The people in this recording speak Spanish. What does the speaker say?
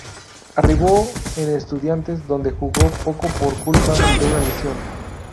Arribó en Estudiantes, donde jugó poco por culpa de una lesión.